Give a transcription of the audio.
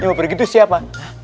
yang mau pergi tuh siapa